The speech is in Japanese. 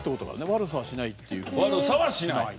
悪さはしない。